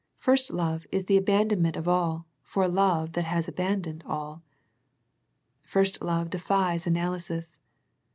First love is the abandonment of all for a love that has abandoned all. First love defies analysis.